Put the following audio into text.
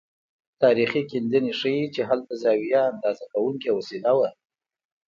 تاریخي کیندنې ښيي چې هلته زاویه اندازه کوونکې وسیله وه.